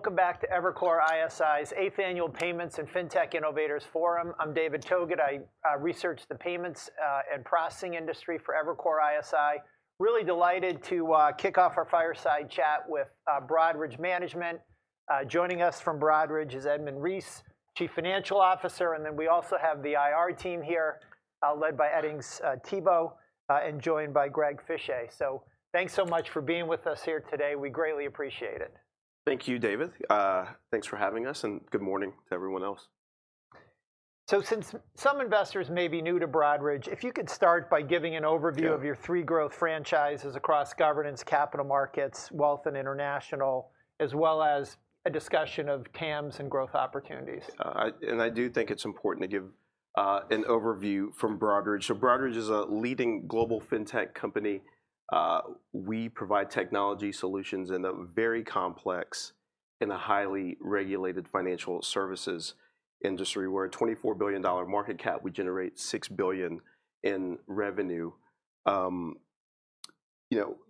Welcome back to Evercore ISI's Eighth Annual Payments and Fintech Innovators Forum. I'm David Togut. I research the payments and processing industry for Evercore ISI. Really delighted to kick off our fireside chat with Broadridge Management. Joining us from Broadridge is Edmund Reese, Chief Financial Officer. We also have the IR team here, led by Edings Thibault and joined by Greg Fischel. Thanks so much for being with us here today. We greatly appreciate it. Thank you, David. Thanks for having us. Good morning to everyone else. So since some investors may be new to Broadridge, if you could start by giving an overview of your three growth franchises across governance, capital markets, wealth, and international, as well as a discussion of TAMs and growth opportunities. I do think it's important to give an overview from Broadridge. Broadridge is a leading global fintech company. We provide technology solutions in a very complex and highly regulated financial services industry, where a $24 billion market cap, we generate $6 billion in revenue.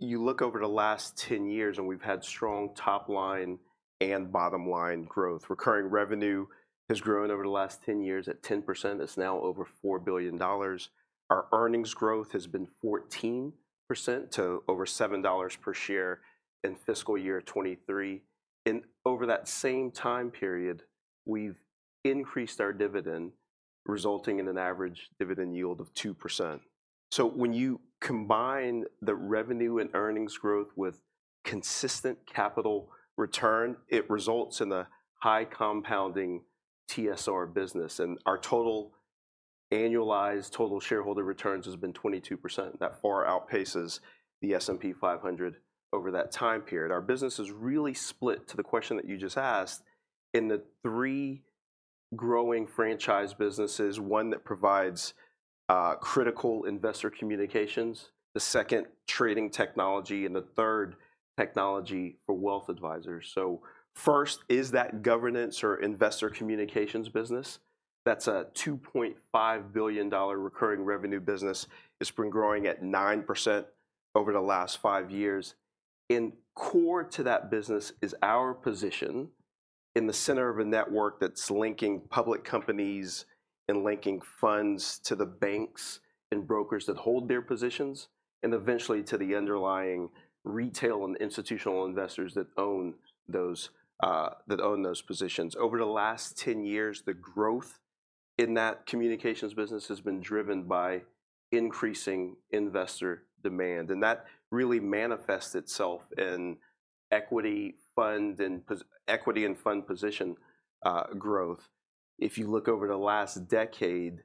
You look over the last 10 years, and we've had strong top line and bottom line growth. Recurring revenue has grown over the last 10 years at 10%. It's now over $4 billion. Our earnings growth has been 14% to over $7 per share in fiscal year 2023. Over that same time period, we've increased our dividend, resulting in an average dividend yield of 2%. When you combine the revenue and earnings growth with consistent capital return, it results in a high compounding TSR business. Our total annualized total shareholder returns has been 22%. That far outpaces the S&P 500 over that time period. Our business is really split, to the question that you just asked, in the three growing franchise businesses: one that provides critical investor communications, the second trading technology, and the third technology for wealth advisors. So first is that governance or investor communications business. That's a $2.5 billion recurring revenue business. It's been growing at 9% over the last five years. And core to that business is our position in the center of a network that's linking public companies and linking funds to the banks and brokers that hold their positions, and eventually to the underlying retail and institutional investors that own those positions. Over the last 10 years, the growth in that communications business has been driven by increasing investor demand. And that really manifests itself in equity fund and equity and fund position growth. If you look over the last decade,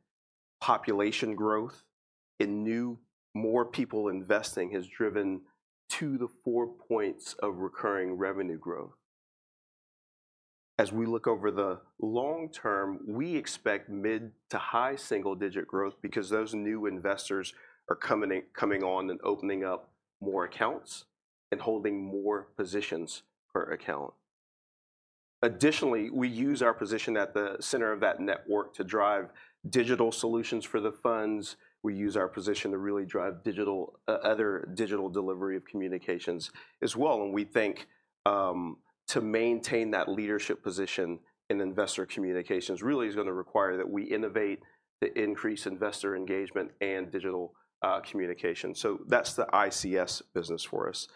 population growth in new more people investing has driven 2-4 points of recurring revenue growth. As we look over the long term, we expect mid- to high-single-digit growth because those new investors are coming on and opening up more accounts and holding more positions per account. Additionally, we use our position at the center of that network to drive digital solutions for the funds. We use our position to really drive other digital delivery of communications as well. We think to maintain that leadership position in investor communications really is going to require that we innovate to increase investor engagement and digital communication. So that's the ICS business for us.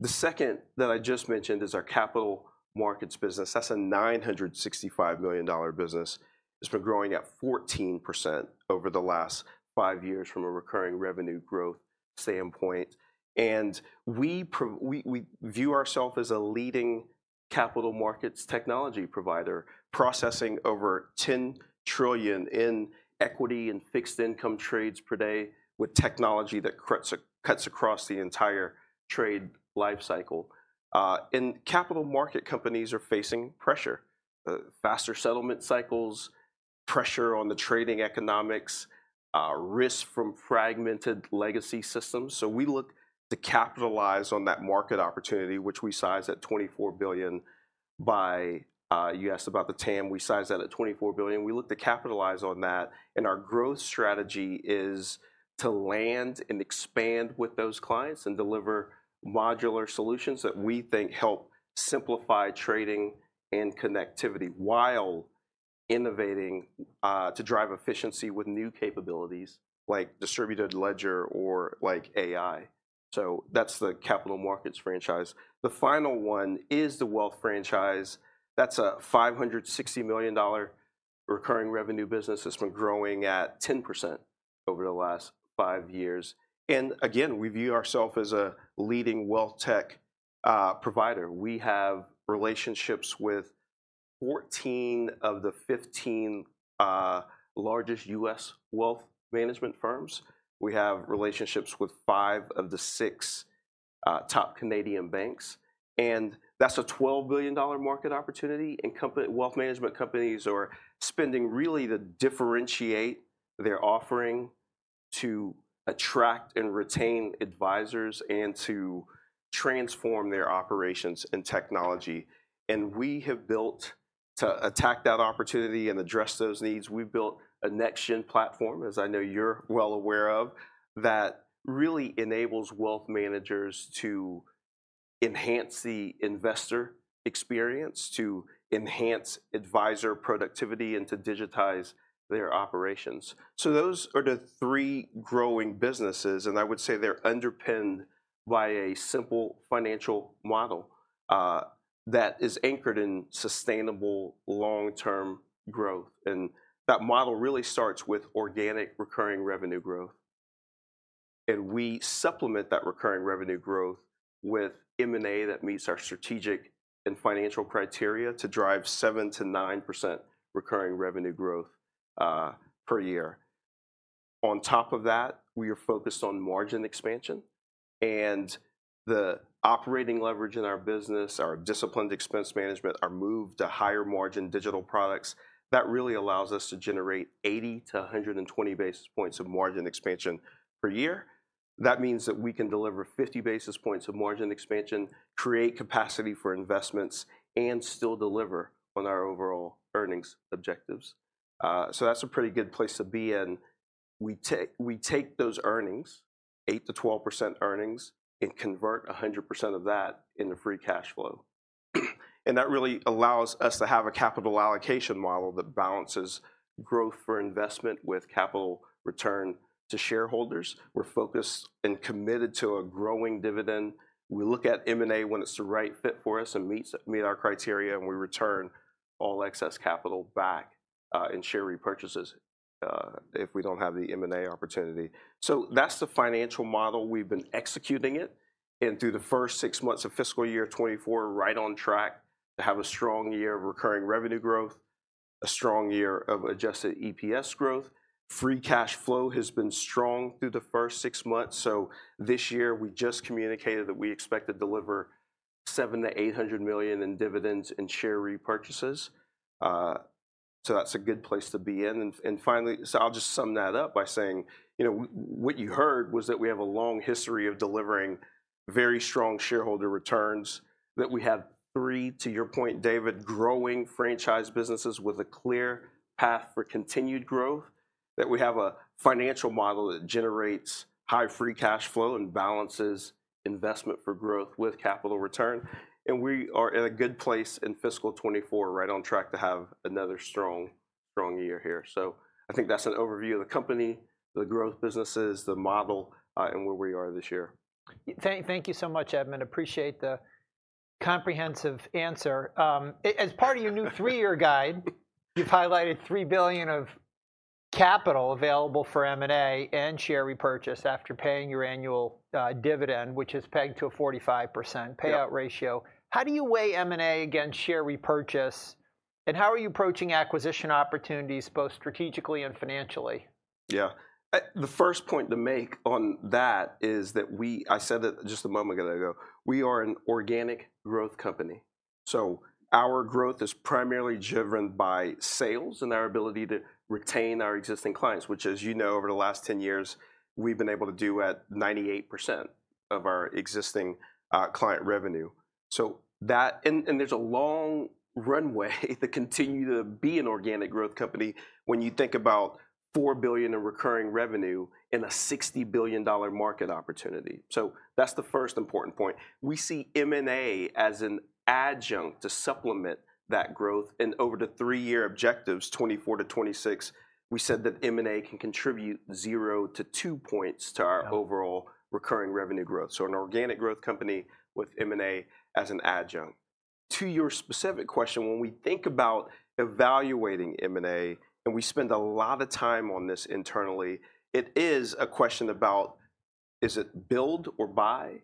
The second that I just mentioned is our capital markets business. That's a $965 million business. It's been growing at 14% over the last 5 years from a recurring revenue growth standpoint. We view ourselves as a leading capital markets technology provider, processing over $10 trillion in equity and fixed income trades per day with technology that cuts across the entire trade lifecycle. Capital market companies are facing pressure: faster settlement cycles, pressure on the trading economics, risk from fragmented legacy systems. We look to capitalize on that market opportunity, which we size at $24 billion by U.S., about the TAM. We size that at $24 billion. We look to capitalize on that. Our growth strategy is to land and expand with those clients and deliver modular solutions that we think help simplify trading and connectivity while innovating to drive efficiency with new capabilities like distributed ledger or like AI. That's the capital markets franchise. The final one is the wealth franchise. That's a $560 million recurring revenue business. It's been growing at 10% over the last five years. Again, we view ourselves as a leading wealth tech provider. We have relationships with 14 of the 15 largest U.S. wealth management firms. We have relationships with five of the six top Canadian banks. That's a $12 billion market opportunity. Wealth management companies are spending really to differentiate their offering, to attract and retain advisors, and to transform their operations and technology. We have built to attack that opportunity and address those needs. We've built a next-gen platform, as I know you're well aware of, that really enables wealth managers to enhance the investor experience, to enhance advisor productivity, and to digitize their operations. So those are the three growing businesses. And I would say they're underpinned by a simple financial model that is anchored in sustainable long-term growth. And that model really starts with organic recurring revenue growth. And we supplement that recurring revenue growth with M&A that meets our strategic and financial criteria to drive 7%-9% recurring revenue growth per year. On top of that, we are focused on margin expansion. And the operating leverage in our business, our disciplined expense management, our move to higher margin digital products, that really allows us to generate 80-120 basis points of margin expansion per year. That means that we can deliver 50 basis points of margin expansion, create capacity for investments, and still deliver on our overall earnings objectives. So that's a pretty good place to be in. We take those earnings, 8%-12% earnings, and convert 100% of that into free cash flow. That really allows us to have a capital allocation model that balances growth for investment with capital return to shareholders. We're focused and committed to a growing dividend. We look at M&A when it's the right fit for us and meets our criteria. We return all excess capital back in share repurchases if we don't have the M&A opportunity. That's the financial model. We've been executing it. Through the first six months of fiscal year 2024, right on track to have a strong year of recurring revenue growth, a strong year of Adjusted EPS growth. Free cash flow has been strong through the first six months. This year, we just communicated that we expect to deliver $700 million-$800 million in dividends and share repurchases. That's a good place to be in. Finally, so I'll just sum that up by saying, what you heard was that we have a long history of delivering very strong shareholder returns, that we have three, to your point, David, growing franchise businesses with a clear path for continued growth, that we have a financial model that generates high free cash flow and balances investment for growth with capital return. We are at a good place in fiscal 2024, right on track to have another strong year here. I think that's an overview of the company, the growth businesses, the model, and where we are this year. Thank you so much, Edmund. Appreciate the comprehensive answer. As part of your new three-year guide, you've highlighted $3 billion of capital available for M&A and share repurchase after paying your annual dividend, which is pegged to a 45% payout ratio. How do you weigh M&A against share repurchase? And how are you approaching acquisition opportunities, both strategically and financially? Yeah. The first point to make on that is that we said it just a moment ago. We are an organic growth company. So our growth is primarily driven by sales and our ability to retain our existing clients, which, as you know, over the last 10 years, we've been able to do at 98% of our existing client revenue. And there's a long runway to continue to be an organic growth company when you think about $4 billion in recurring revenue in a $60 billion market opportunity. So that's the first important point. We see M&A as an adjunct to supplement that growth. And over the three-year objectives, 2024-2026, we said that M&A can contribute 0-2 points to our overall recurring revenue growth, so an organic growth company with M&A as an adjunct. To your specific question, when we think about evaluating M&A and we spend a lot of time on this internally, it is a question about, is it build or buy?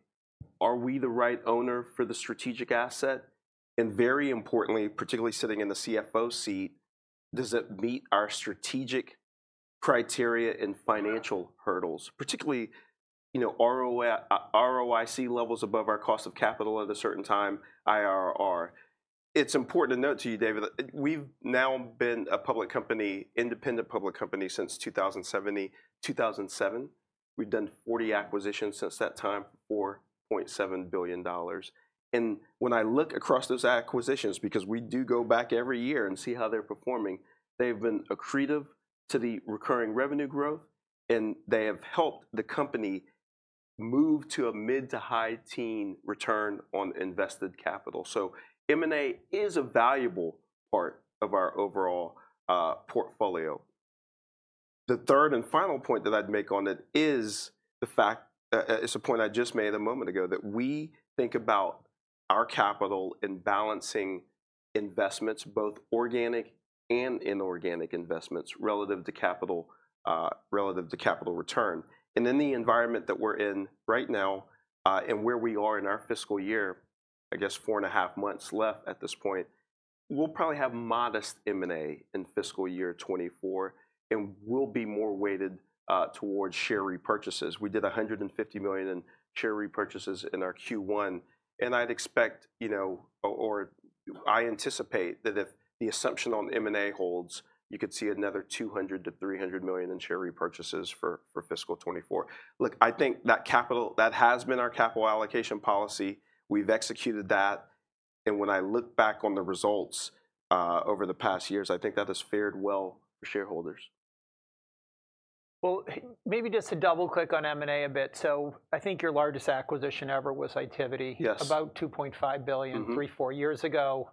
Are we the right owner for the strategic asset? And very importantly, particularly sitting in the CFO seat, does it meet our strategic criteria and financial hurdles, particularly ROIC levels above our cost of capital at a certain time, IRR? It's important to note to you, David, that we've now been a public company, independent public company, since 2007. We've done 40 acquisitions since that time, $4.7 billion. And when I look across those acquisitions, because we do go back every year and see how they're performing, they've been accretive to the recurring revenue growth. And they have helped the company move to a mid- to high-teen return on invested capital. M&A is a valuable part of our overall portfolio. The third and final point that I'd make on it is the fact it's a point I just made a moment ago that we think about our capital in balancing investments, both organic and inorganic investments, relative to capital return. In the environment that we're in right now and where we are in our fiscal year, I guess four and a half months left at this point, we'll probably have modest M&A in fiscal year 2024. We'll be more weighted towards share repurchases. We did $150 million in share repurchases in our Q1. I'd expect or I anticipate that if the assumption on M&A holds, you could see another $200 million-$300 million in share repurchases for fiscal 2024. Look, I think that capital that has been our capital allocation policy. We've executed that. When I look back on the results over the past years, I think that has fared well for shareholders. Well, maybe just to double-click on M&A a bit. So I think your largest acquisition ever was Itiviti, about $2.5 billion 3-4 years ago.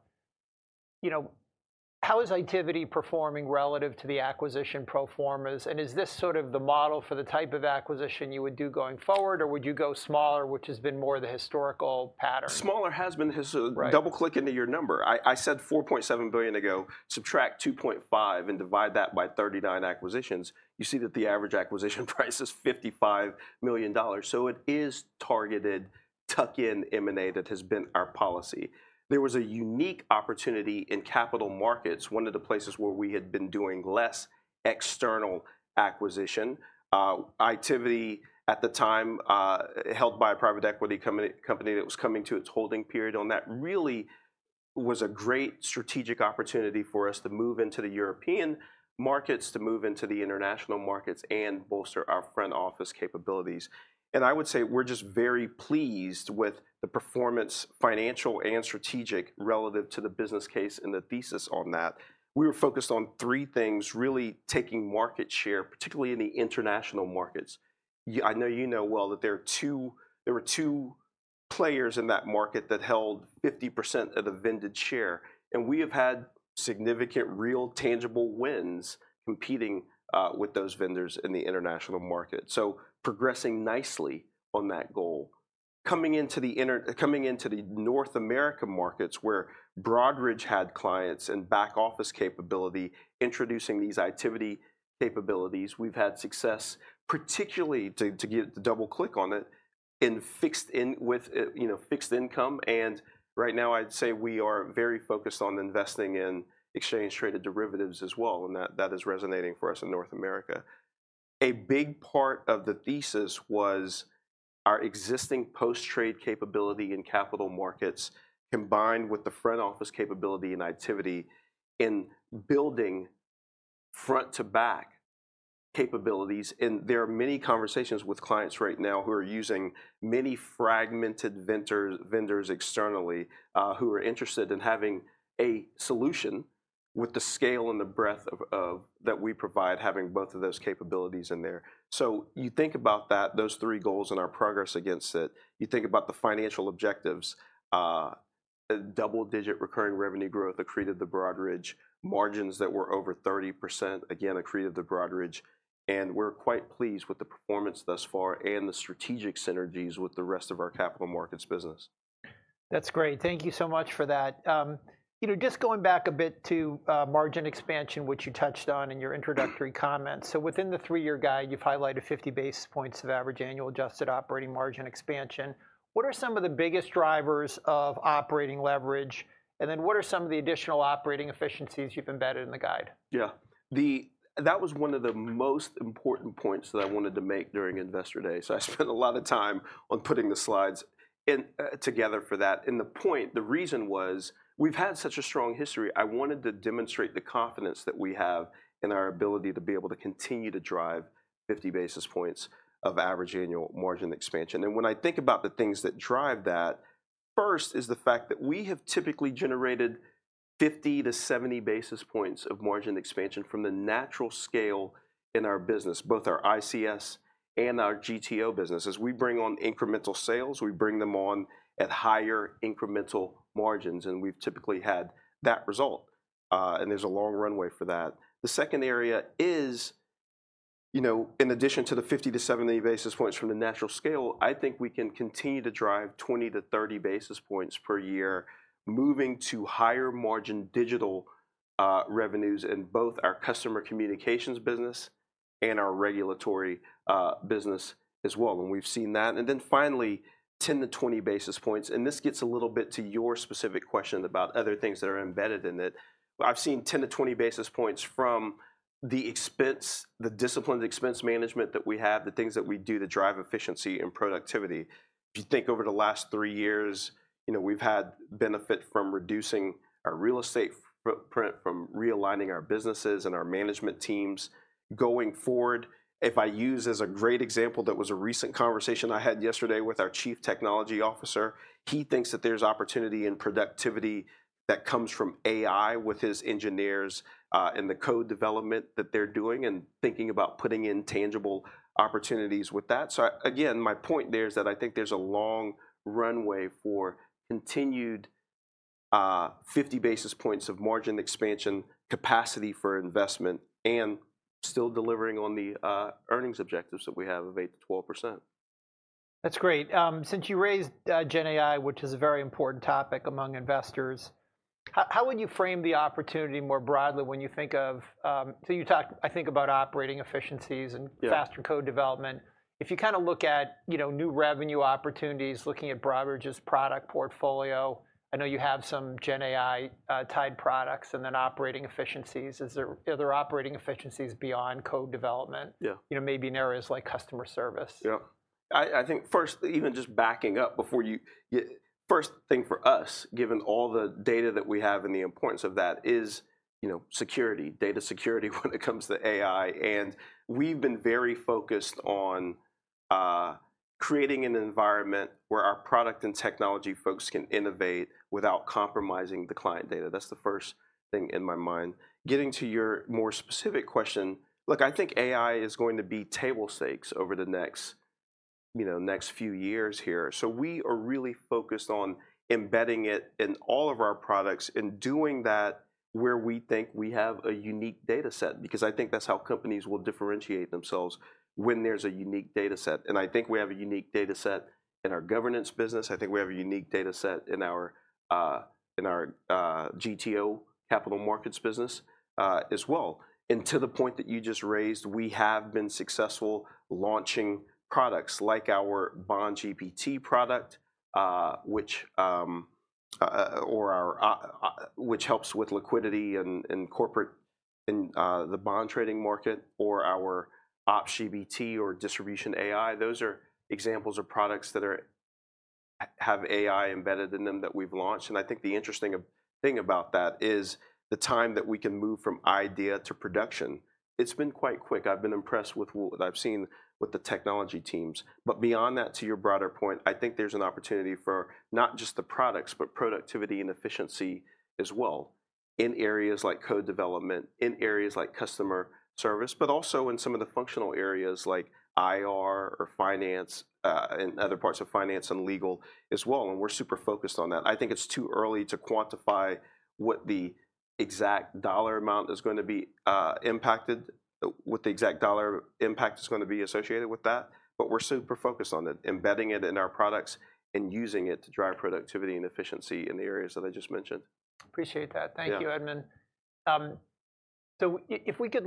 How is Itiviti performing relative to the acquisition proformas? And is this sort of the model for the type of acquisition you would do going forward? Or would you go smaller, which has been more the historical pattern? Smaller has been the historical double-click into your number. I said $4.7 billion ago. Subtract $2.5 billion and divide that by 39 acquisitions. You see that the average acquisition price is $55 million. So it is targeted tuck-in M&A that has been our policy. There was a unique opportunity in capital markets, one of the places where we had been doing less external acquisition. Itiviti, at the time, held by a private equity company that was coming to its holding period on that, really was a great strategic opportunity for us to move into the European markets, to move into the international markets, and bolster our front office capabilities. And I would say we're just very pleased with the performance, financial, and strategic relative to the business case and the thesis on that. We were focused on three things, really taking market share, particularly in the international markets. I know you know well that there were two players in that market that held 50% of the vendor share. We have had significant, real, tangible wins competing with those vendors in the international market, so progressing nicely on that goal. Coming into the North America markets, where Broadridge had clients and back office capability, introducing these Itiviti capabilities, we've had success, particularly to double-click on it, with fixed income. Right now, I'd say we are very focused on investing in exchange-traded derivatives as well. That is resonating for us in North America. A big part of the thesis was our existing post-trade capability in capital markets combined with the front office capability in Itiviti in building front-to-back capabilities. There are many conversations with clients right now who are using many fragmented vendors externally who are interested in having a solution with the scale and the breadth that we provide, having both of those capabilities in there. You think about those three goals and our progress against it. You think about the financial objectives. Double-digit recurring revenue growth accreted to Broadridge. Margins that were over 30%, again, accreted to Broadridge. We're quite pleased with the performance thus far and the strategic synergies with the rest of our capital markets business. That's great. Thank you so much for that. Just going back a bit to margin expansion, which you touched on in your introductory comments. So within the three-year guide, you've highlighted 50 basis points of average annual adjusted operating margin expansion. What are some of the biggest drivers of operating leverage? And then what are some of the additional operating efficiencies you've embedded in the guide? Yeah. That was one of the most important points that I wanted to make during Investor Day. So I spent a lot of time on putting the slides together for that. And the point, the reason was, we've had such a strong history. I wanted to demonstrate the confidence that we have in our ability to be able to continue to drive 50 basis points of average annual margin expansion. And when I think about the things that drive that, first is the fact that we have typically generated 50-70 basis points of margin expansion from the natural scale in our business, both our ICS and our GTO businesses. We bring on incremental sales. We bring them on at higher incremental margins. And we've typically had that result. And there's a long runway for that. The second area is, in addition to the 50-70 basis points from the natural scale, I think we can continue to drive 20-30 basis points per year, moving to higher margin digital revenues in both our customer communications business and our regulatory business as well. And we've seen that. And then finally, 10-20 basis points. And this gets a little bit to your specific question about other things that are embedded in it. I've seen 10-20 basis points from the disciplined expense management that we have, the things that we do that drive efficiency and productivity. If you think over the last three years, we've had benefit from reducing our real estate footprint, from realigning our businesses and our management teams. Going forward, if I use as a great example that was a recent conversation I had yesterday with our Chief Technology Officer, he thinks that there's opportunity in productivity that comes from AI with his engineers and the code development that they're doing and thinking about putting in tangible opportunities with that. So again, my point there is that I think there's a long runway for continued 50 basis points of margin expansion, capacity for investment, and still delivering on the earnings objectives that we have of 8%-12%. That's great. Since you raised GenAI, which is a very important topic among investors, how would you frame the opportunity more broadly when you think of so you talked, I think, about operating efficiencies and faster code development. If you kind of look at new revenue opportunities, looking at Broadridge's product portfolio, I know you have some GenAI-tied products and then operating efficiencies. Are there operating efficiencies beyond code development, maybe in areas like customer service? Yeah. I think first, even just backing up before you first thing for us, given all the data that we have and the importance of that, is security, data security when it comes to AI. And we've been very focused on creating an environment where our product and technology folks can innovate without compromising the client data. That's the first thing in my mind. Getting to your more specific question, look, I think AI is going to be table stakes over the next few years here. So we are really focused on embedding it in all of our products and doing that where we think we have a unique data set, because I think that's how companies will differentiate themselves when there's a unique data set. And I think we have a unique data set in our governance business. I think we have a unique data set in our GTO, capital markets business, as well. And to the point that you just raised, we have been successful launching products like our BondGPT product, which helps with liquidity in the bond trading market, or our OpsGPT or DistributionAI. Those are examples of products that have AI embedded in them that we've launched. And I think the interesting thing about that is the time that we can move from idea to production. It's been quite quick. I've been impressed with what I've seen with the technology teams. But beyond that, to your broader point, I think there's an opportunity for not just the products, but productivity and efficiency as well in areas like code development, in areas like customer service, but also in some of the functional areas like IR or finance and other parts of finance and legal as well. We're super focused on that. I think it's too early to quantify what the exact dollar amount is going to be impacted, what the exact dollar impact is going to be associated with that. But we're super focused on it, embedding it in our products, and using it to drive productivity and efficiency in the areas that I just mentioned. Appreciate that. Thank you, Edmund. So if we could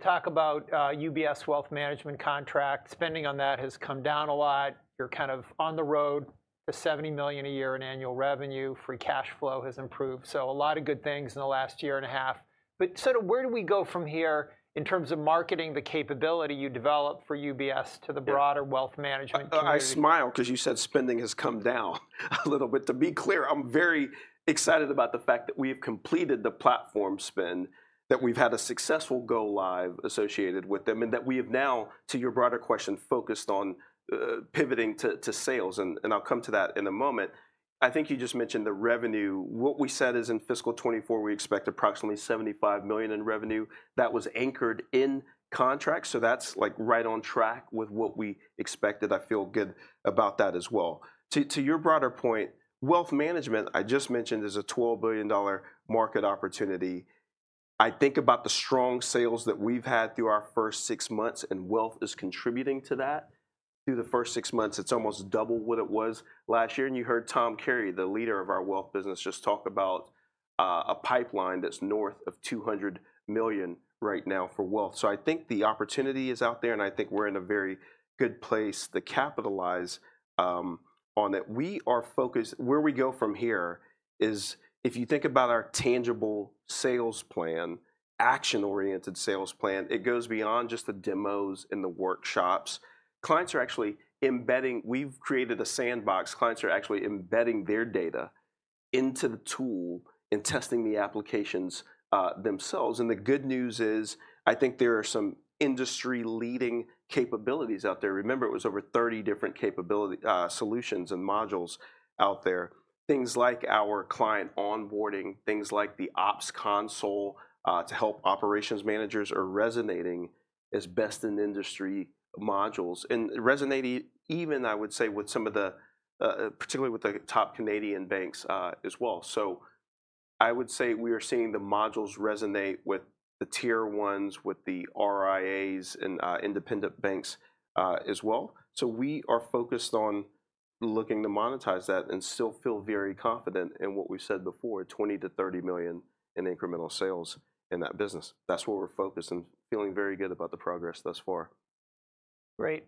talk about UBS Wealth Management contract. Spending on that has come down a lot. You're kind of on the road to $70 million a year in annual revenue. Free cash flow has improved. So a lot of good things in the last year and a half. But sort of where do we go from here in terms of marketing the capability you developed for UBS to the broader wealth management community? I smile, because you said spending has come down a little bit. To be clear, I'm very excited about the fact that we have completed the platform spend, that we've had a successful go live associated with them, and that we have now, to your broader question, focused on pivoting to sales. And I'll come to that in a moment. I think you just mentioned the revenue. What we said is, in fiscal 2024, we expect approximately $75 million in revenue. That was anchored in contracts. So that's right on track with what we expected. I feel good about that as well. To your broader point, wealth management, I just mentioned, is a $12 billion market opportunity. I think about the strong sales that we've had through our first six months. And wealth is contributing to that. Through the first six months, it's almost doubled what it was last year. And you heard Tom Carey, the leader of our wealth business, just talk about a pipeline that's north of $200 million right now for wealth. So I think the opportunity is out there. And I think we're in a very good place to capitalize on it. Where we go from here is, if you think about our tangible sales plan, action-oriented sales plan, it goes beyond just the demos and the workshops. Clients are actually embedding their data into the tool and testing the applications themselves. And the good news is, I think there are some industry-leading capabilities out there. Remember, it was over 30 different solutions and modules out there. Things like our client onboarding, things like the Ops Console to help operations managers are resonating as best in industry modules, and resonating even, I would say, with some of the particularly with the top Canadian banks as well. So I would say we are seeing the modules resonate with the tier ones, with the RIAs and independent banks as well. So we are focused on looking to monetize that and still feel very confident in what we've said before, $20 million-$30 million in incremental sales in that business. That's where we're focused and feeling very good about the progress thus far. Great.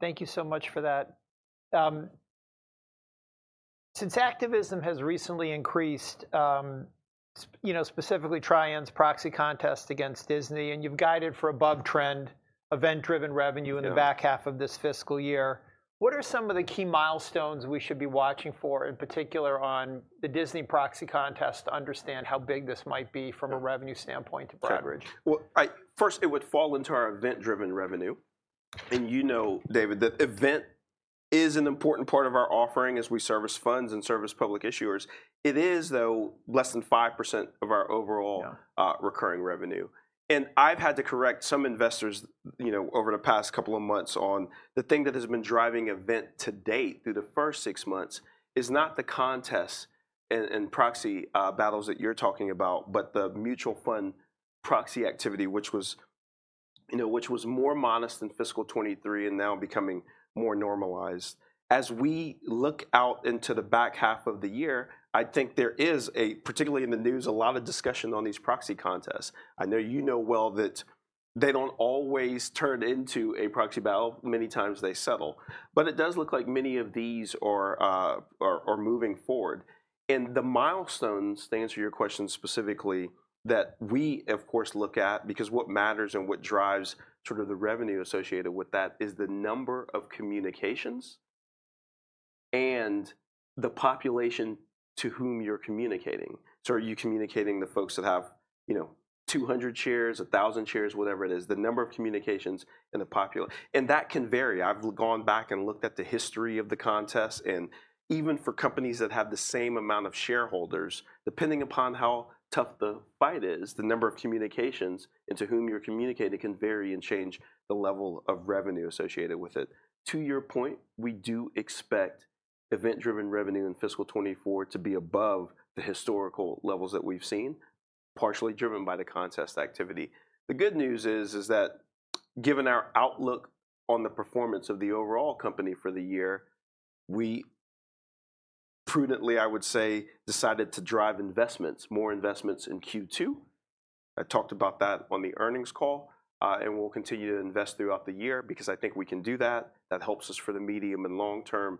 Thank you so much for that. Since activism has recently increased, specifically Trian's proxy contest against Disney, and you've guided for above-trend event-driven revenue in the back half of this fiscal year, what are some of the key milestones we should be watching for, in particular on the Disney proxy contest, to understand how big this might be from a revenue standpoint to Broadridge? Sure. Well, first, it would fall into our event-driven revenue. And you know, David, that event is an important part of our offering as we service funds and service public issuers. It is, though, less than 5% of our overall recurring revenue. And I've had to correct some investors over the past couple of months on the thing that has been driving event to date through the first six months is not the contests and proxy battles that you're talking about, but the mutual fund proxy Itiviti, which was more modest in fiscal 2023 and now becoming more normalized. As we look out into the back half of the year, I think there is, particularly in the news, a lot of discussion on these proxy contests. I know you know well that they don't always turn into a proxy battle. Many times, they settle. But it does look like many of these are moving forward. The milestones, to answer your question specifically, that we, of course, look at, because what matters and what drives sort of the revenue associated with that is the number of communications and the population to whom you're communicating. So are you communicating to the folks that have 200 shares, 1,000 shares, whatever it is, the number of communications and the population? That can vary. I've gone back and looked at the history of the contests. Even for companies that have the same amount of shareholders, depending upon how tough the fight is, the number of communications and to whom you're communicating can vary and change the level of revenue associated with it. To your point, we do expect event-driven revenue in fiscal 2024 to be above the historical levels that we've seen, partially driven by the contest activity. The good news is that, given our outlook on the performance of the overall company for the year, we prudently, I would say, decided to drive investments, more investments in Q2. I talked about that on the earnings call. We'll continue to invest throughout the year, because I think we can do that. That helps us for the medium and long term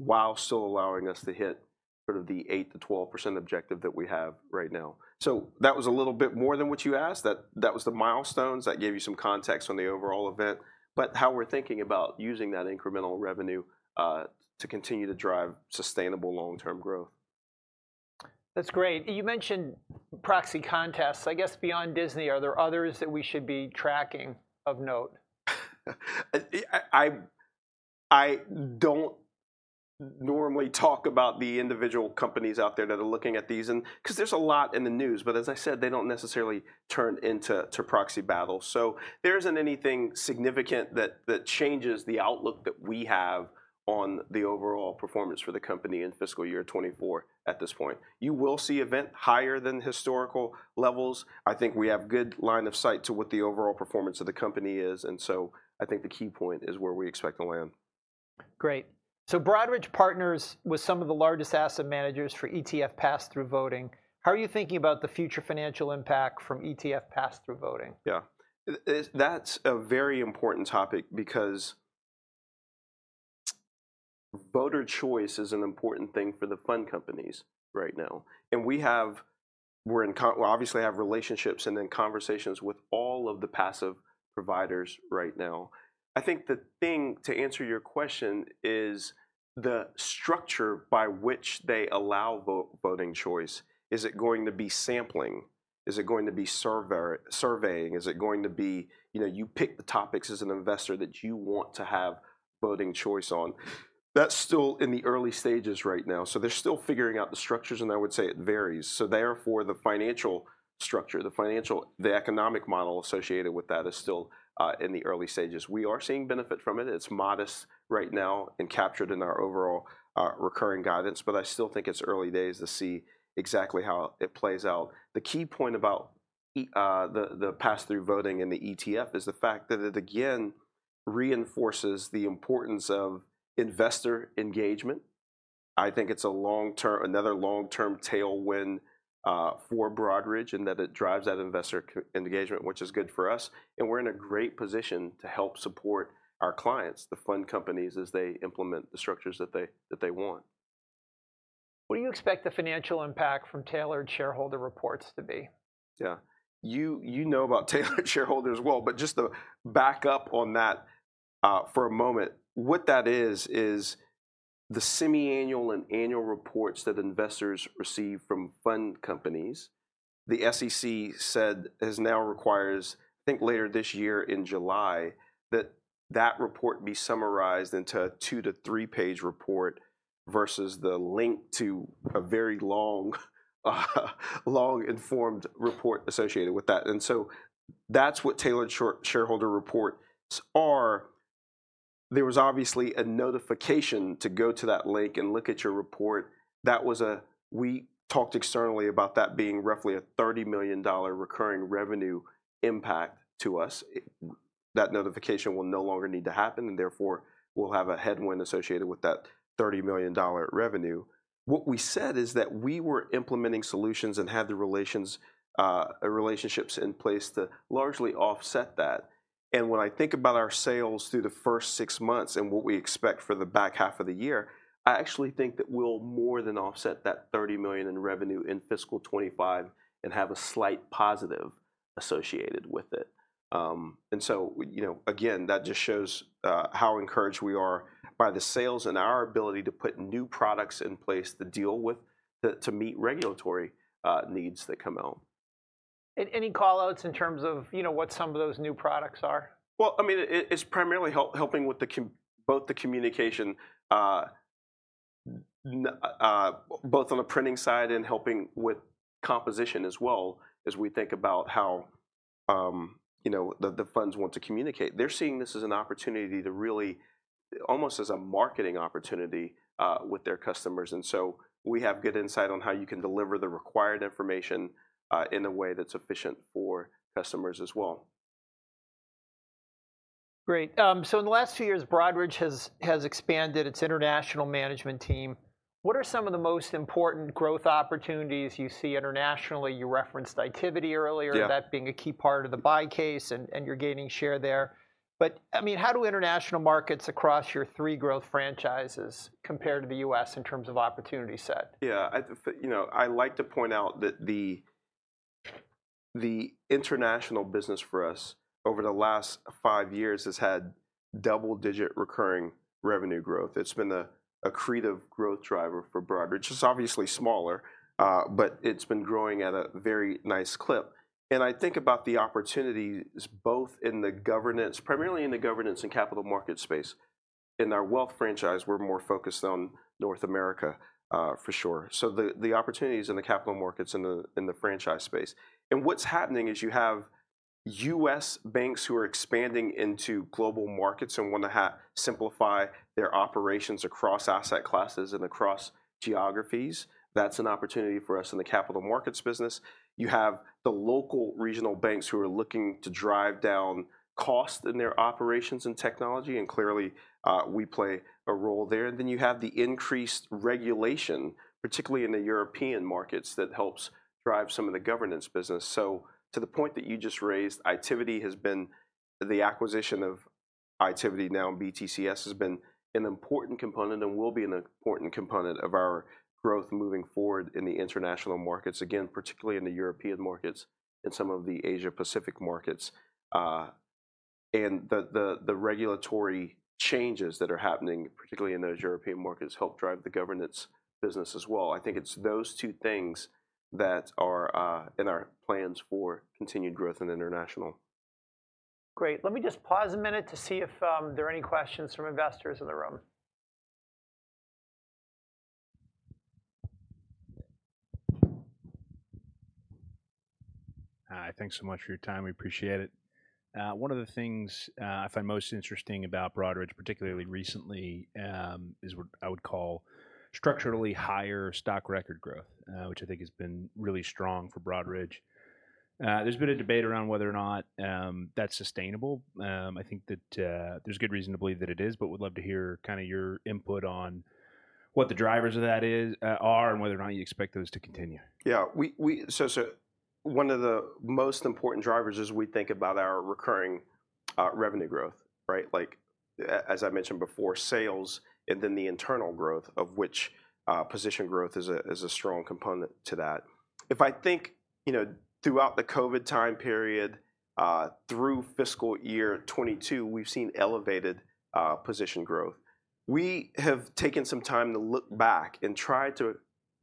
while still allowing us to hit sort of the 8%-12% objective that we have right now. That was a little bit more than what you asked. That was the milestones. That gave you some context on the overall event, but how we're thinking about using that incremental revenue to continue to drive sustainable long-term growth. That's great. You mentioned proxy contests. I guess beyond Disney, are there others that we should be tracking of note? I don't normally talk about the individual companies out there that are looking at these, because there's a lot in the news. But as I said, they don't necessarily turn into proxy battles. So there isn't anything significant that changes the outlook that we have on the overall performance for the company in fiscal year 2024 at this point. You will see events higher than historical levels. I think we have a good line of sight to what the overall performance of the company is. And so I think the key point is where we expect to land. Great. So Broadridge partners with some of the largest asset managers for ETF Pass-Through Voting. How are you thinking about the future financial impact from ETF Pass-Through Voting? Yeah. That's a very important topic, because voter choice is an important thing for the fund companies right now. And we obviously have relationships and then conversations with all of the passive providers right now. I think the thing, to answer your question, is the structure by which they allow voting choice. Is it going to be sampling? Is it going to be surveying? Is it going to be you pick the topics as an investor that you want to have voting choice on? That's still in the early stages right now. So they're still figuring out the structures. And I would say it varies. So therefore, the financial structure, the economic model associated with that is still in the early stages. We are seeing benefit from it. It's modest right now and captured in our overall recurring guidance. But I still think it's early days to see exactly how it plays out. The key point about the pass-through voting and the ETF is the fact that it, again, reinforces the importance of investor engagement. I think it's another long-term tailwind for Broadridge in that it drives that investor engagement, which is good for us. And we're in a great position to help support our clients, the fund companies, as they implement the structures that they want. What do you expect the financial impact from Tailored Shareholder Reports to be? Yeah. You know about tailored shareholder reports well. But just to back up on that for a moment, what that is, is the semiannual and annual reports that investors receive from fund companies. The SEC has now required, I think, later this year in July, that that report be summarized into a two- to three-page report versus the link to a very long, informed report associated with that. And so that's what tailored shareholder reports are. There was obviously a notification to go to that link and look at your report. We talked externally about that being roughly a $30 million recurring revenue impact to us. That notification will no longer need to happen. And therefore, we'll have a headwind associated with that $30 million revenue. What we said is that we were implementing solutions and had the relationships in place to largely offset that. When I think about our sales through the first six months and what we expect for the back half of the year, I actually think that we'll more than offset that $30 million in revenue in fiscal 2025 and have a slight positive associated with it. And so again, that just shows how encouraged we are by the sales and our ability to put new products in place to meet regulatory needs that come out. Any callouts in terms of what some of those new products are? Well, I mean, it's primarily helping with both the communication, both on the printing side and helping with composition as well, as we think about how the funds want to communicate. They're seeing this as an opportunity to really almost as a marketing opportunity with their customers. And so we have good insight on how you can deliver the required information in a way that's efficient for customers as well. Great. So in the last few years, Broadridge has expanded its international management team. What are some of the most important growth opportunities you see internationally? You referenced Itiviti earlier, that being a key part of the buy case. And you're gaining share there. But I mean, how do international markets across your three growth franchises compare to the U.S. in terms of opportunity set? Yeah. I like to point out that the international business for us over the last five years has had double-digit recurring revenue growth. It's been a creative growth driver for Broadridge. It's obviously smaller. But it's been growing at a very nice clip. And I think about the opportunities both in the governance, primarily in the governance and capital market space. In our wealth franchise, we're more focused on North America, for sure, so the opportunities in the capital markets and the franchise space. And what's happening is you have U.S. banks who are expanding into global markets and want to simplify their operations across asset classes and across geographies. That's an opportunity for us in the capital markets business. You have the local regional banks who are looking to drive down cost in their operations and technology. And clearly, we play a role there. And then you have the increased regulation, particularly in the European markets, that helps drive some of the governance business. So to the point that you just raised, activity has been the acquisition of Itiviti now in BTCS has been an important component and will be an important component of our growth moving forward in the international markets, again, particularly in the European markets and some of the Asia-Pacific markets. And the regulatory changes that are happening, particularly in those European markets, help drive the governance business as well. I think it's those two things that are in our plans for continued growth in international. Great. Let me just pause a minute to see if there are any questions from investors in the room. Hi. Thanks so much for your time. We appreciate it. One of the things I find most interesting about Broadridge, particularly recently, is what I would call structurally higher positions growth, which I think has been really strong for Broadridge. There's been a debate around whether or not that's sustainable. I think that there's good reason to believe that it is. But would love to hear kind of your input on what the drivers of that are and whether or not you expect those to continue. Yeah. So one of the most important drivers is we think about our recurring revenue growth, right, as I mentioned before, sales and then the internal growth, of which position growth is a strong component to that. If I think throughout the COVID time period through fiscal year 2022, we've seen elevated position growth. We have taken some time to look back and tried to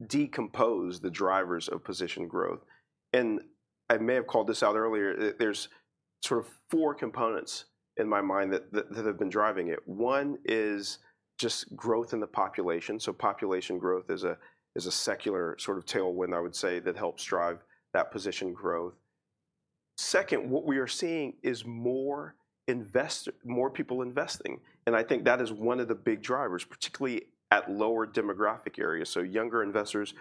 decompose the drivers of position growth. I may have called this out earlier. There's sort of 4 components in my mind that have been driving it. One is just growth in the population. So population growth is a secular sort of tailwind, I would say, that helps drive that position growth. Second, what we are seeing is more people investing. I think that is one of the big drivers, particularly at lower demographic areas, so younger investors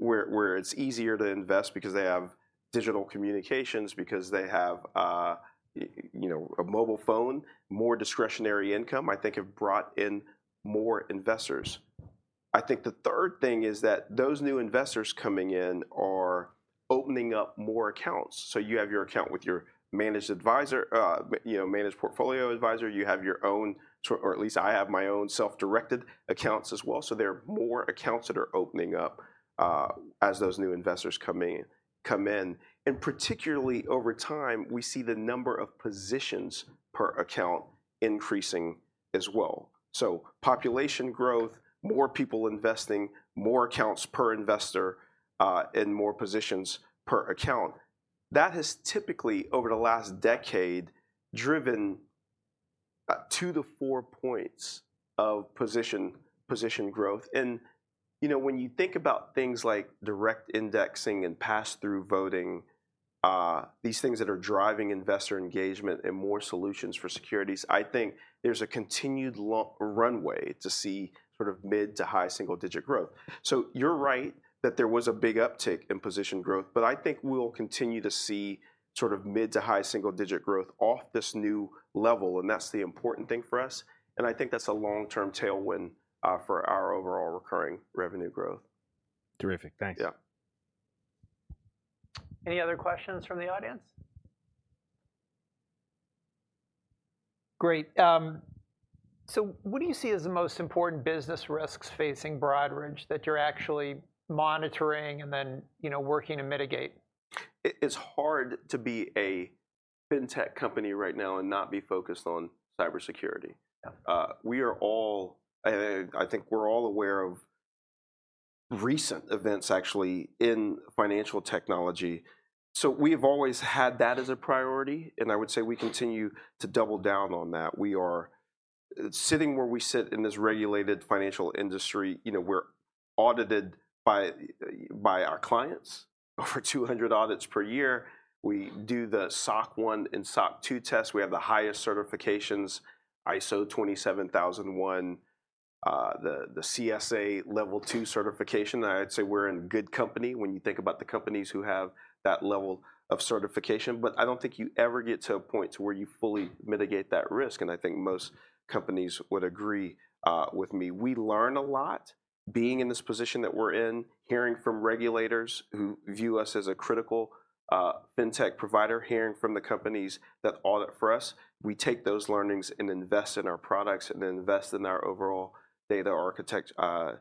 where it's easier to invest because they have digital communications, because they have a mobile phone, more discretionary income, I think, have brought in more investors. I think the third thing is that those new investors coming in are opening up more accounts. So you have your account with your managed advisor, managed portfolio advisor. You have your own or at least I have my own self-directed accounts as well. So there are more accounts that are opening up as those new investors come in. And particularly over time, we see the number of positions per account increasing as well. So population growth, more people investing, more accounts per investor, and more positions per account. That has typically, over the last decade, driven 2-4 points of position growth. When you think about things like direct indexing and pass-through voting, these things that are driving investor engagement and more solutions for securities, I think there's a continued runway to see sort of mid- to high single-digit growth. You're right that there was a big uptick in position growth. I think we'll continue to see sort of mid- to high single-digit growth off this new level. That's the important thing for us. I think that's a long-term tailwind for our overall recurring revenue growth. Terrific. Thanks. Yeah. Any other questions from the audience? Great. So what do you see as the most important business risks facing Broadridge that you're actually monitoring and then working to mitigate? It's hard to be a fintech company right now and not be focused on cybersecurity. I think we're all aware of recent events, actually, in financial technology. So we have always had that as a priority. And I would say we continue to double down on that. We are sitting where we sit in this regulated financial industry. We're audited by our clients over 200 audits per year. We do the SOC 1 and SOC 2 tests. We have the highest certifications, ISO 27001, the CSA Level 2 certification. I'd say we're in good company when you think about the companies who have that level of certification. But I don't think you ever get to a point to where you fully mitigate that risk. And I think most companies would agree with me. We learn a lot being in this position that we're in, hearing from regulators who view us as a critical fintech provider, hearing from the companies that audit for us. We take those learnings and invest in our products and then invest in our overall data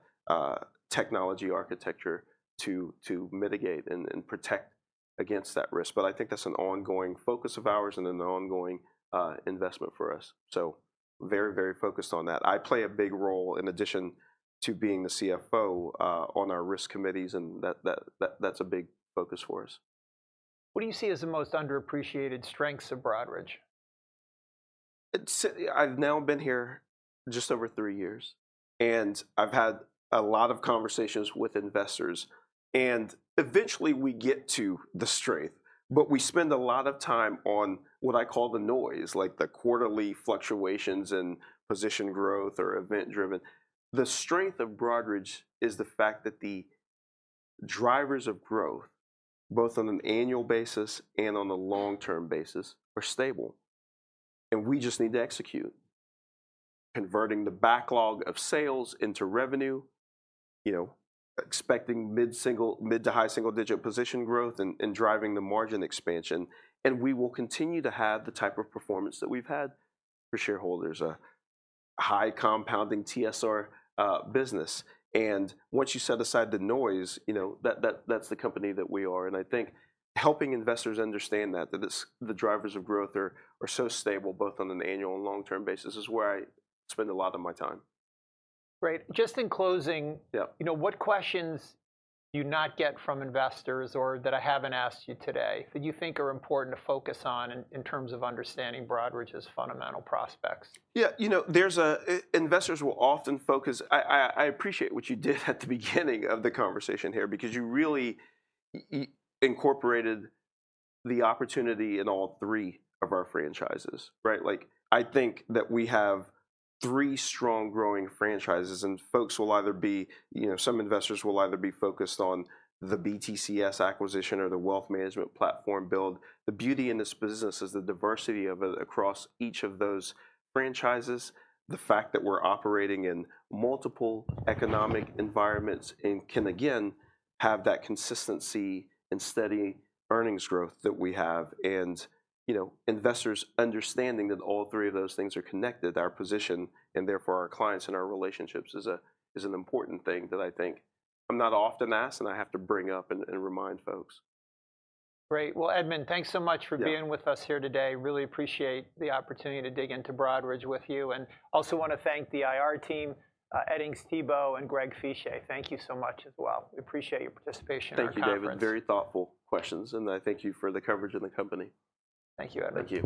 technology architecture to mitigate and protect against that risk. But I think that's an ongoing focus of ours and then an ongoing investment for us. So very, very focused on that. I play a big role, in addition to being the CFO, on our risk committees. And that's a big focus for us. What do you see as the most underappreciated strengths of Broadridge? I've now been here just over three years. I've had a lot of conversations with investors. Eventually, we get to the strength. But we spend a lot of time on what I call the noise, like the quarterly fluctuations in position growth or event-driven. The strength of Broadridge is the fact that the drivers of growth, both on an annual basis and on a long-term basis, are stable. We just need to execute, converting the backlog of sales into revenue, expecting mid- to high single-digit position growth, and driving the margin expansion. We will continue to have the type of performance that we've had for shareholders, a high compounding TSR business. Once you set aside the noise, that's the company that we are. I think helping investors understand that, that the drivers of growth are so stable both on an annual and long-term basis, is where I spend a lot of my time. Great. Just in closing, what questions do you not get from investors or that I haven't asked you today that you think are important to focus on in terms of understanding Broadridge's fundamental prospects? Yeah. Investors will often focus. I appreciate what you did at the beginning of the conversation here because you really incorporated the opportunity in all three of our franchises, right? I think that we have three strong growing franchises. And some investors will either be focused on the BTCS acquisition or the wealth management platform build. The beauty in this business is the diversity of it across each of those franchises, the fact that we're operating in multiple economic environments, and can, again, have that consistency and steady earnings growth that we have. And investors understanding that all three of those things are connected, our position and therefore our clients and our relationships, is an important thing that I think I'm not often asked. And I have to bring up and remind folks. Great. Well, Edmund, thanks so much for being with us here today. Really appreciate the opportunity to dig into Broadridge with you. And also want to thank the IR team, Edings Thibault and Greg Fische. Thank you so much as well. We appreciate your participation on our conversation. Thank you, David. Very thoughtful questions. I thank you for the coverage and the company. Thank you, Edward. Thank you.